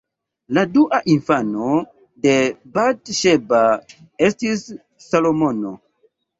La dua infano de Bat-Ŝeba estis Salomono.